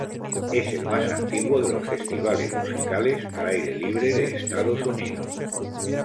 Es el más antiguo de los festivales musicales al aire libre de Estados Unidos.